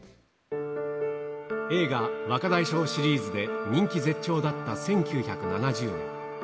映画、若大将シリーズで人気絶頂だった１９７０年。